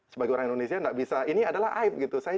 sebagai orang indonesia ini adalah aib